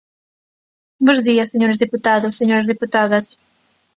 Bos días, señores deputados, señoras deputadas.